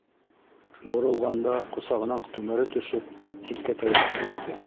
Боролғанда ҡосағынан түмәре төшөп, ситкә тәгәрләп китте.